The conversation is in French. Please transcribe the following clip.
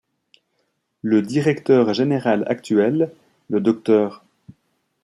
Le directeur général actuel, le Dr.